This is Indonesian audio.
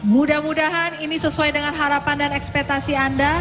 mudah mudahan ini sesuai dengan harapan dan ekspektasi anda